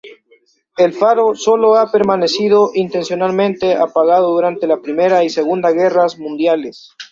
El faro sólo ha permanecido intencionalmente apagado durante las Primera y Segunda Guerras Mundiales.